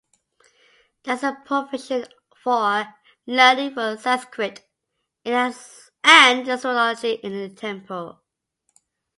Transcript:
There is a provision for learning of Sanskrit and Astrology in the temple.